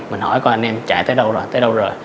mình hỏi con anh em chạy tới đâu rồi